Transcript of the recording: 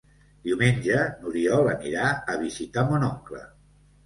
Diumenge n'Oriol anirà a visitar mon oncle.